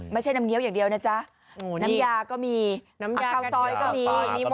ไม่ใช่น้ำเงี้ยวอย่างเดียวนะจ๊ะน้ำยาก็มีน้ำยาข้าวซอยก็มีหมด